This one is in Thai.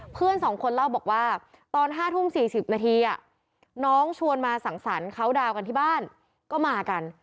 เพื่อนสองคนเล่าบอกว่าตอน๕ทุ่ม๔๐นาทีน้องชวนมาสั่งสรรค์เขาดาวกันที่บ้านก็มากัน